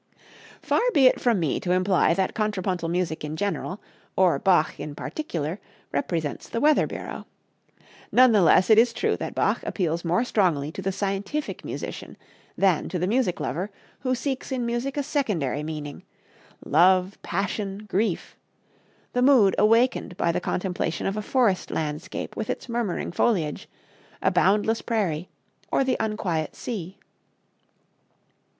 Far be it from me to imply that contrapuntal music in general or Bach in particular represents the Weather Bureau. None the less is it true that Bach appeals more strongly to the scientific musician than to the music lover who seeks in music a secondary meaning love, passion, grief; the mood awakened by the contemplation of a forest landscape with its murmuring foliage, a boundless prairie, or the unquiet sea.